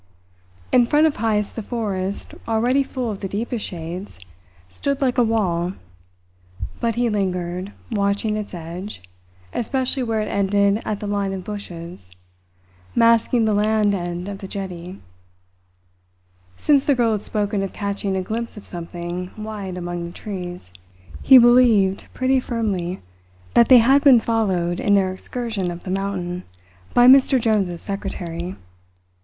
In front of Heyst the forest, already full of the deepest shades, stood like a wall. But he lingered, watching its edge, especially where it ended at the line of bushes, masking the land end of the jetty. Since the girl had spoken of catching a glimpse of something white among the trees, he believed pretty firmly that they had been followed in their excursion up the mountain by Mr. Jones's secretary.